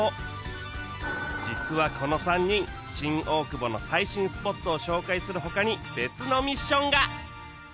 実はこの３人新大久保の最新スポットを紹介する他に別のミッションが